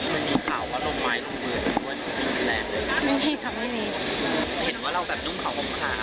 มีข่าวก็ลงไว้ลงพื้นต้องกินมาเร่งเลย